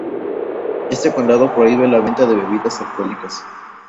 Este condado prohíbe la venta de bebidas alcohólicas.